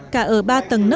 cả ở ba tầng nước